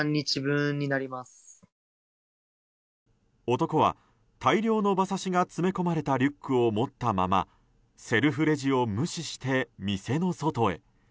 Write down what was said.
男は、大量の馬刺しが詰め込まれたリュックを持ったままセルフレジを無視して店の外へ。